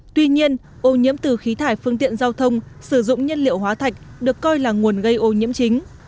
tuy nhiên ô nhiễm từ khí thải phương tiện giao thông sử dụng nhiên liệu hóa thạch được coi là nguồn gây ô nhiễm chính